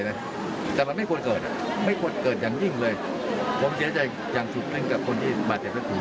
แล้วดูว่ามีความโครวให้ช่วยรอบธุระบ้างท่านเหลคก็อย่างเหล่าน่ะเข้าพอบหน่อยได้